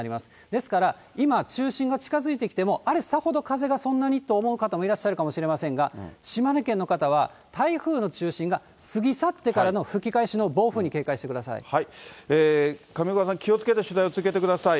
ですから、今、中心が近づいてきても、あれ、さほど風がそんなにと思う方もいらっしゃるかもしれませんが、島根県の方は台風の中心が過ぎ去ってからの吹き返しの暴風に警戒神岡さん、気をつけて取材を続けてください。